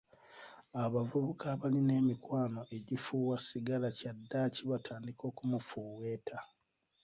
Abavubuka abalina emikwano egifuuwa sigala kyadaaki batandika okumufuweeta.